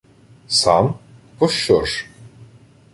— Сам? Пощо ж?